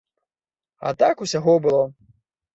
А так усяго было.